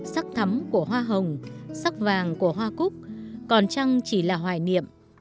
sắc thấm của hoa hồng sắc vàng của hoa cúc còn trăng chỉ là hoài niệm